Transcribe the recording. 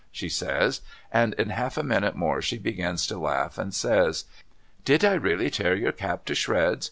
' she says, and in half a minute more she begins to laugh and says ' Did I really tear your cap to shreds